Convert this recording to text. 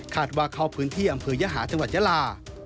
ว่าเข้าพื้นที่อำเภอยหาจังหวัดยาลา